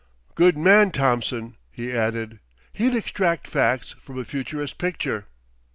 Good man, Thompson," he added. "He'd extract facts from a futurist picture."